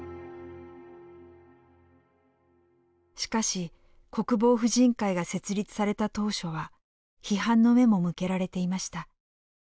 しかし国防婦人会が設立された当初は批判の目も向けられていました。